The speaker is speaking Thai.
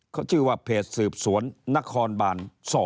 เขาชื่อว่าเพจสืบสวนนครบาน๒